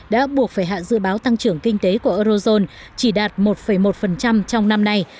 đã buộc phải hạ dự báo tăng trưởng kinh tế của eurozone chỉ đạt một một trong năm nay